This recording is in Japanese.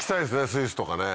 スイスとかね。